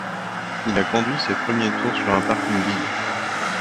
Il a conduit ses premiers tours sur un parking vide.